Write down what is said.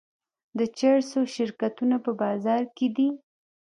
د چرسو شرکتونه په بازار کې دي.